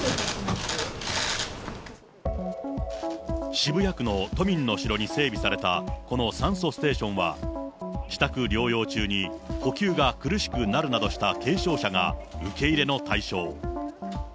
渋谷区の都民のしろに整備されたこの酸素ステーションは、自宅療養中に呼吸が苦しくなるなどした軽症者が受け入れの対象。